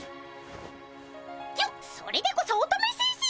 よっそれでこそ乙女先生さま！